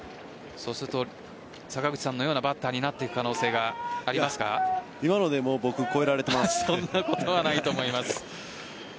そうすると坂口さんのようなバッターになっていく今のでもう僕そんなことはないと思います。